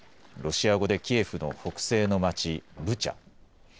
ロシア語でキエフの北西の町、ブチャ。